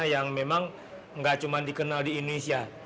yang memang nggak cuma dikenal di indonesia